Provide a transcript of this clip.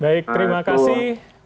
baik terima kasih